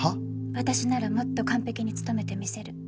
私ならもっと完璧に務めてみせる。